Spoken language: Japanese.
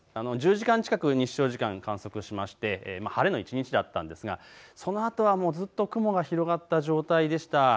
１０時間近く日照時間、観測しまして晴れの一日だったんですがそのあとはずっと雲が広がった状態でした。